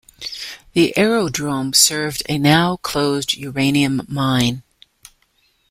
This aerodrome served a now-closed uranium mine.